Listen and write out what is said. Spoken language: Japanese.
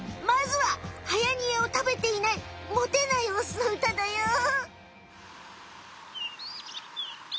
まずははやにえを食べていないモテないオスのうただよ。